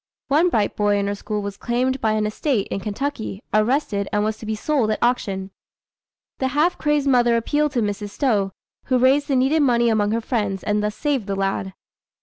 One bright boy in her school was claimed by an estate in Kentucky, arrested, and was to be sold at auction. The half crazed mother appealed to Mrs. Stowe, who raised the needed money among her friends, and thus saved the lad.